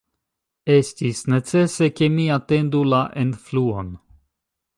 Estis necese, ke mi atendu la enfluon.